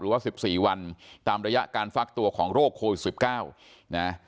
ว่า๑๔วันตามระยะการฟักตัวของโรคโควิด๑๙นะ